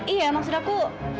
iya maksud aku